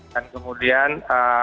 dan kemudian eee